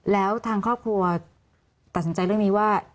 แล้วทางครอบครัวตัดสินใจเรื่องนี้ว่า